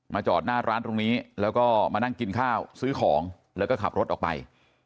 จอดหน้าร้านตรงนี้แล้วก็มานั่งกินข้าวซื้อของแล้วก็ขับรถออกไป